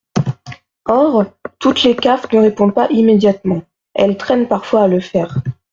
Or toutes les CAF ne répondent pas immédiatement : elles traînent parfois à le faire.